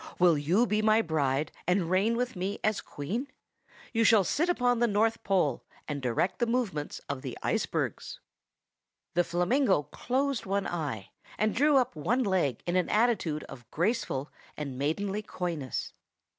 Will you be my bride, and reign with me as queen? You shall sit upon the North Pole, and direct the movements of the icebergs." The flamingo closed one eye, and drew up one leg in an attitude of graceful and maidenly coyness.